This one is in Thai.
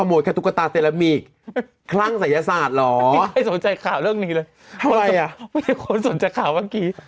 ไม่มีคนสนใจข่าวเมื่อกี้